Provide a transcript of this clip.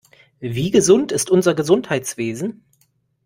Wie gesund ist unser Gesundheitswesen?